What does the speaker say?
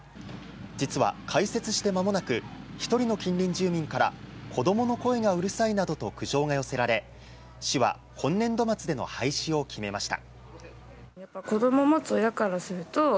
実は開設して間もなく１人の近隣住民から子供の声がうるさいなどと苦情が寄せられ市は今年度末での廃止を決めました。